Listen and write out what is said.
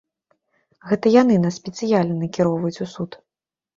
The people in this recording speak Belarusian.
Гэта яны нас спецыяльна накіроўваюць у суд.